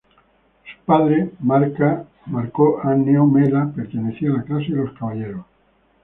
Su padre, Marco Anneo Mela, pertenecía a la clase de los caballeros.